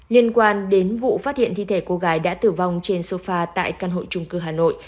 liên quan đến vụ phát hiện thi thể cô gái đã tử vong trên sofa tại căn hội trung cư hà nội